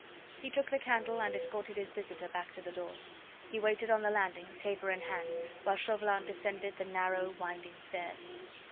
He took the candle and escorted his visitor back to the door. He waited on the landing, taper in hand, while Chauvelin descended the narrow, winding stairs.